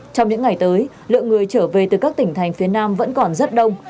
trong những ngày tới lượng người trở về từ các tỉnh thành phía nam vẫn còn rất đông